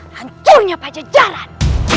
hancurnya pada jalan